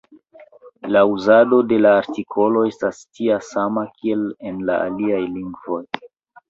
La uzado de la artikolo estas tia sama, kiel en la aliaj lingvoj.